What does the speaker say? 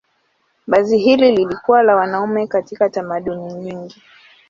Vazi hili lilikuwa la wanaume katika tamaduni nyingi.